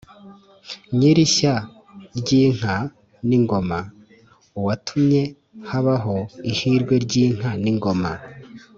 nyiri ishya ry’inka n’ingoma: uwatumye habaho ihirwe ry’inka n’ingoma